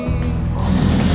nggak usah khawatirnya nya